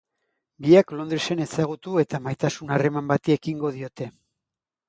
Biak Londresen ezagutu eta maitasun harreman bati ekingo diote.